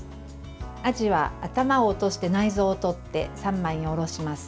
あじは頭を落として内蔵を取って３枚におろします。